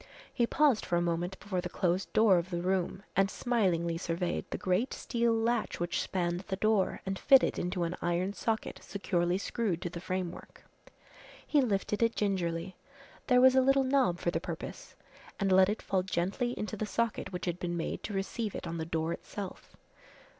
He paused for a moment before the closed door of the room and smilingly surveyed the great steel latch which spanned the door and fitted into an iron socket securely screwed to the framework. He lifted it gingerly there was a little knob for the purpose and let it fall gently into the socket which had been made to receive it on the door itself.